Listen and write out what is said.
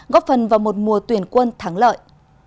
góp phần vào một mùa tuyển quân thắng lợi